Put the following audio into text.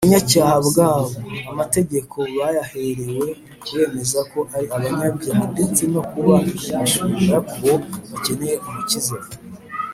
ubunyacyaha bwabo amategeko bayaherewe kubemeza ko ari abanyabyaha ndetse no kubahishurira ko bakeneye umukiza